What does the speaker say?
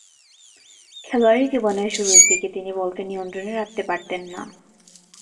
খেলোয়াড়ী জীবনের শুরুরদিকে তিনি বলকে নিয়ন্ত্রণে রাখতে পারতেন না।